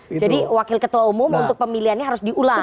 jadi wakil ketua umum untuk pemilihannya harus diulang